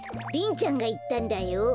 リンちゃんがいったんだよ。